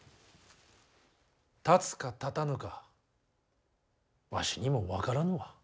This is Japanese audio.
立つか立たぬかわしにも分からぬわ。